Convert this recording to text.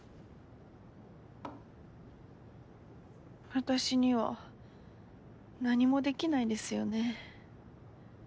私には何もできないですよね。